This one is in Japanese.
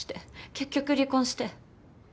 結局離婚して。